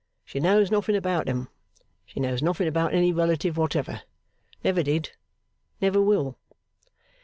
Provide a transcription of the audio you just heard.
She knows nothing about 'em. She knows nothing about any relative whatever. Never did. Never will.